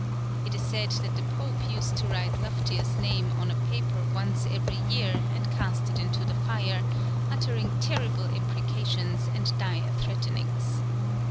It is said that the Pope used to write Lufftius' name on paper once every year, and cast it into the fire, uttering terrible imprecations and dire threatenings.